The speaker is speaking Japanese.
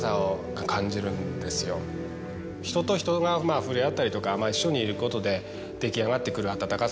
人と人が触れ合ったりとか一緒にいることで出来上がってくる温かさ。